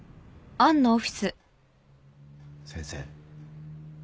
先生。